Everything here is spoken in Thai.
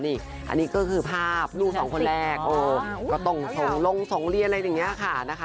นี่อันนี้ก็คือภาพลูกสองคนแรกก็ต้องส่งลงส่งเรียนอะไรอย่างนี้ค่ะนะคะ